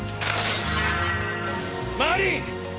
・マリン！